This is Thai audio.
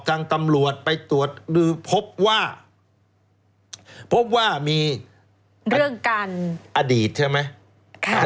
ทางตำรวจไปตรวจดูพบว่าพบว่ามีเรื่องการอดีตใช่ไหม